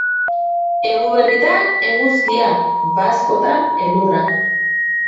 Eguberritan eguzkia, bazkotan elurra.